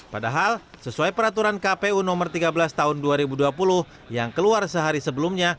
padahal sesuai peraturan kpu nomor tiga belas tahun dua ribu dua puluh yang keluar sehari sebelumnya